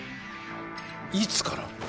いつから？